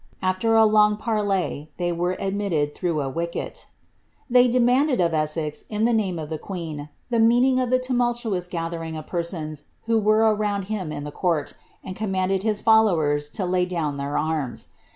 After a long pariey they were admitted through a wicket. They demanded of ^sez, in the name of the queen, the meaning of the tumultuous gathering of persons who were around him in the court, and commanded his followers to lay down their arms.